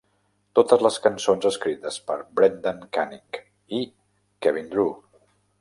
Totes les cançons escrites per Brendan Canning i Kevin Drew.